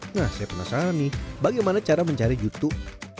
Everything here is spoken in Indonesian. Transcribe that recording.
nah saya penasaran nih bagaimana cara mencari youtube